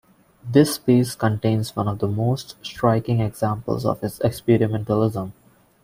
This piece contains one of the most striking examples of his experimentalism.